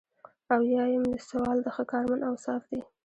اویایم سوال د ښه کارمند اوصاف دي.